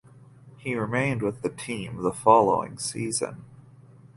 He remained with the team the following season.